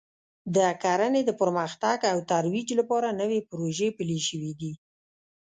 د کرنې د پرمختګ او ترویج لپاره نوې پروژې پلې شوې دي